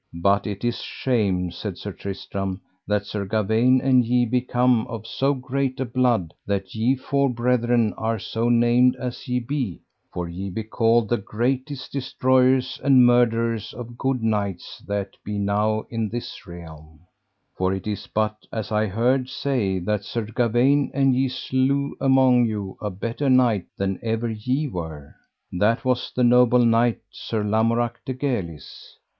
But it is shame, said Sir Tristram, that Sir Gawaine and ye be come of so great a blood that ye four brethren are so named as ye be, for ye be called the greatest destroyers and murderers of good knights that be now in this realm; for it is but as I heard say that Sir Gawaine and ye slew among you a better knight than ever ye were, that was the noble knight Sir Lamorak de Galis.